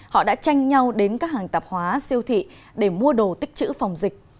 họ đã tranh nhau đến các hàng tạp hóa siêu thị để mua đồ tích chữ phòng dịch